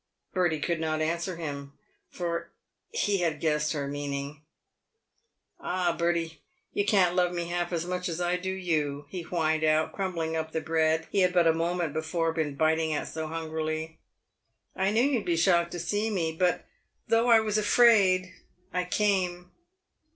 Bertie could not answer him, for he had guessed her meaning. " Ah, Bertie, you can't love me half as much as I do you," he whined out, crumbling up the bread he had but a moment before been biting at so hungrily. " I knew you'd be shocked to see me, but, though I was afraid, I came.